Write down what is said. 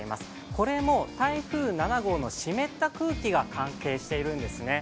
これも台風７号の湿った空気が関係しているんですね。